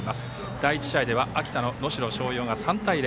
第１試合では秋田の能代松陽が３対０